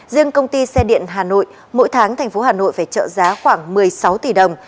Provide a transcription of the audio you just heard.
riêng công ty xe điện hà nội mỗi tháng thành phố hà nội phải trợ giá khoảng một mươi sáu tỷ đồng